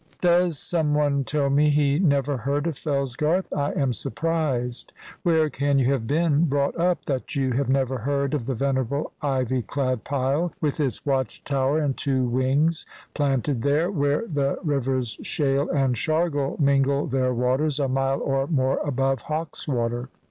Does some one tell me he never heard of Fellsgarth? I am surprised. Where can you have been brought up that you have never heard of the venerable ivy clad pile with its watch tower and two wings, planted there, where the rivers Shale and Shargle mingle their waters, a mile or more above Hawkswater?